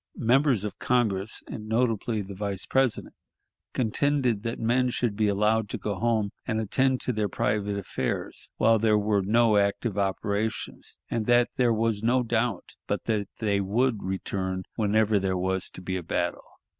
Members of Congress, and notably the Vice President, contended that men should be allowed to go home and attend to their private affairs while there were no active operations, and that there was no doubt but that they would return whenever there was to be a battle.